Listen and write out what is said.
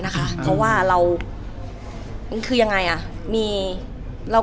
เหมือนนางก็เริ่มรู้แล้วเหมือนนางก็เริ่มรู้แล้ว